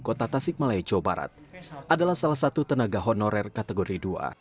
kota tasik malaya jawa barat adalah salah satu tenaga honorer kategori dua